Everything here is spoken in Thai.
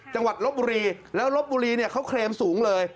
ลบบุรีแล้วลบบุรีเนี่ยเขาเคลมสูงเลย